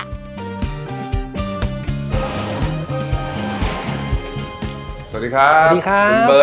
สวัสดีครับ